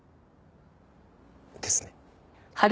ですね。